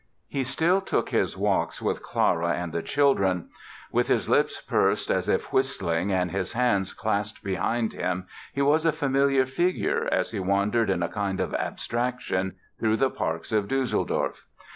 He still took his walks with Clara and the children. With his lips pursed as if whistling and his hands clasped behind him he was a familiar figure as he wandered in a kind of abstraction through the parks of Düsseldorf.